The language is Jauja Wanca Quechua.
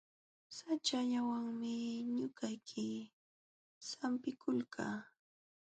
Saćhallawanmi ñuqayku sampikulkaa.